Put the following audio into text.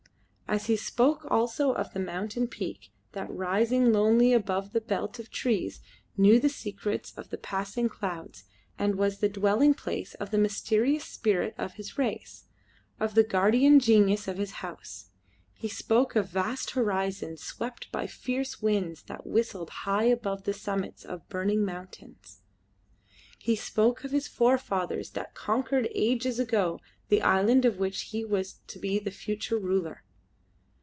And he spoke also of the mountain peak that rising lonely above the belt of trees knew the secrets of the passing clouds, and was the dwelling place of the mysterious spirit of his race, of the guardian genius of his house. He spoke of vast horizons swept by fierce winds that whistled high above the summits of burning mountains. He spoke of his forefathers that conquered ages ago the island of which he was to be the future ruler.